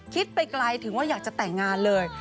ไปไกลถึงว่าอยากจะแต่งงานเลย